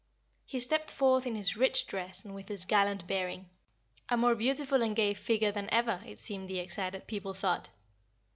He stepped forth in his rich dress and with his gallant bearing, a more beautiful and gay figure than ever, it seemed the excited people thought.